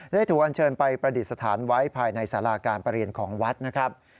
ได้ถูกอันเชิญไปประดิษฐานไว้ภายในสาราการประเรียนของวัดนะครับ